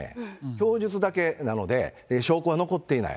供述だけなので、証拠は残っていない。